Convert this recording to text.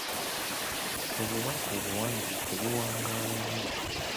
Obubbaka obuwandiike buwangaala nnyo.